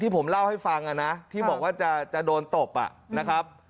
ที่ผมเล่าให้ฟังอ่ะนะที่บอกว่าจะโดนโต๊ปอ่ะนะครับ